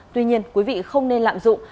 tuy nhiên quý vị không nên lạm dụng